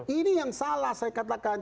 ini yang salah saya katakan